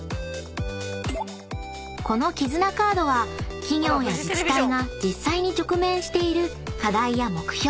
［この絆カードは企業や自治体が実際に直面している課題や目標